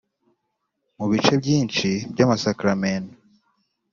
mu bice byinshi by’amasakramentu